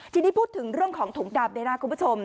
ทีนี้พูดถึงเรื่องของตุงดำในหน้า